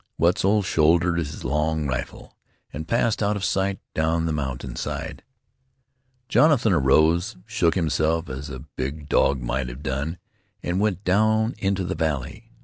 Wetzel shouldered his long rifle, and soon passed out of sight down the mountain side. Jonathan arose, shook himself as a big dog might have done, and went down into the valley.